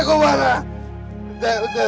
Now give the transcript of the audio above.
kami hanya ada satu